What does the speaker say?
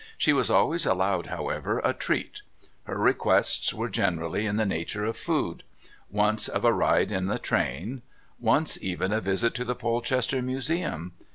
She was always allowed, however, a "treat"; her requests were generally in the nature of food; once of a ride in the train; once even a visit to the Polchester Museum...